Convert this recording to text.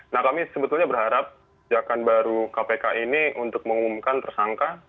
nah kami sebetulnya berharap kebijakan baru kpk ini untuk mengumumkan tersangka